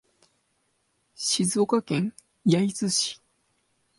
静岡県焼津市